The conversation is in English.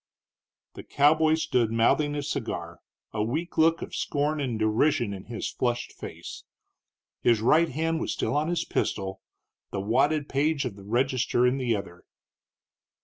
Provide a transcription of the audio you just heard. The cowboy stood mouthing his cigar, a weak look of scorn and derision in his flushed face. His right hand was still on his pistol, the wadded page of the register in the other.